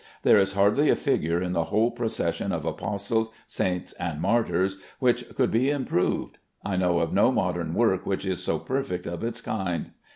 There is hardly a figure in the whole procession of apostles, saints, and martyrs, which could be improved. I know of no modern work which is so perfect of its kind.